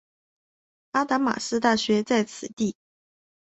阿达玛斯大学在此地。